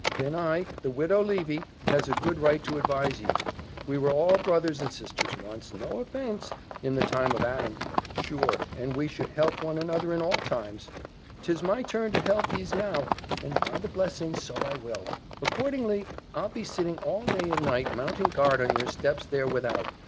then I, the Widow Levy, has a good right to advise ye; we were all brothers and sisters once no offence in the time of Adam, sure, and we should help one another in all times. 'Tis my turn to help yees now, and, by the blessing, so I will accordingly I'll be sitting all day and night, mounting guard on your steps there without.